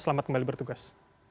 selamat kembali bertugas